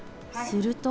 すると。